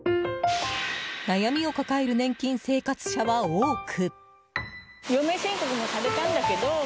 悩みを抱える年金生活者は多く。